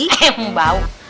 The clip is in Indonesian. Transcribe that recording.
eh bu bau